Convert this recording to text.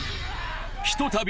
ひとたび